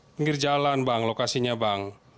pinggir jalan bang lokasinya bang